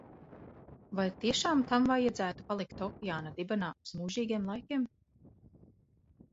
Vai tiešām tam vajadzētu palikt okeāna dibenā uz mūžīgiem laikiem?